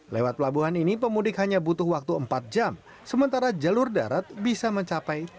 lewat pelabuhan ini pemudik hanya butuh waktu empat jam sementara jalur darat bisa mencapai